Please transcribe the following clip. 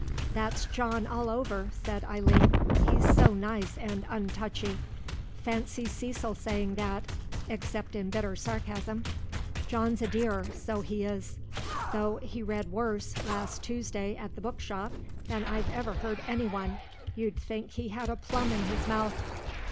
"That's John all over," said Eileen. "He's so nice and untouchy. Fancy Cecil saying that except in bitter sarcasm. John's a dear, so he is. Though he read worse last Tuesday at the Bookshop than I've ever heard anyone. You'd think he had a plum in his mouth."